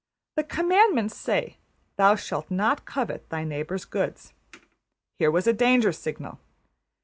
The commandments say, ``Thou shalt not covet thy neighbour's goods.'' Here was a danger signal.